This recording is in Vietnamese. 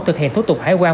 thực hiện thu tục hải quan